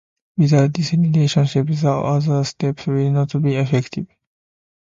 Without this relationship, the other steps will not be effective.